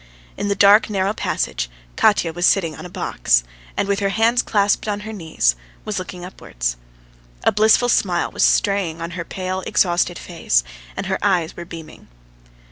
In the dark, narrow passage Katya was sitting, on a box, and, with her hands clasped on her knees, was looking upwards. A blissful smile was straying on her pale, exhausted face, and her eyes were beaming.